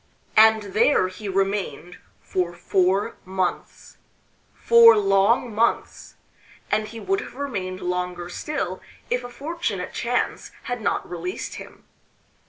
And there he remained for four months four long months and he would have remained longer still if a fortunate chance had not released him.